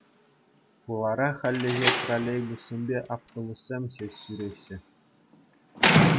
Хулара хальлӗхе троллейбуссемпе автобуссем ҫеҫ ҫӳреҫҫӗ.